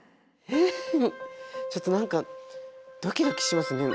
えっちょっと何かドキドキしますね。